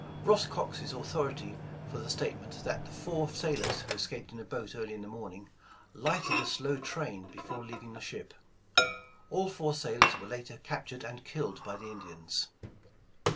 Ross Cox is authority for the statement that the four sailors, who escaped in a boat early in the morning, lighted a slow train before leaving the ship. All four sailors were later captured and killed by the Indians.